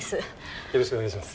よろしくお願いします。